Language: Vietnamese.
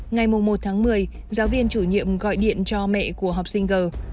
ngày một tháng một mươi giáo viên chủ nhiệm gọi điện cho mẹ của học sinh g